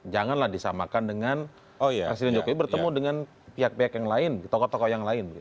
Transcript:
janganlah disamakan dengan presiden jokowi bertemu dengan pihak pihak yang lain tokoh tokoh yang lain